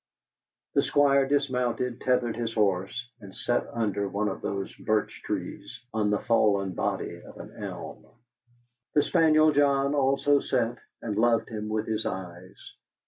The Squire dismounted, tethered his horse, and sat under one of those birch trees, on the fallen body of an elm. The spaniel John also sat and loved him with his eyes.